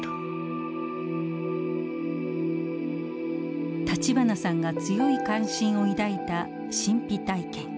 では立花さんが強い関心を抱いた神秘体験。